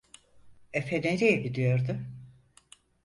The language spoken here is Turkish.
Efe nereye gidiyordu?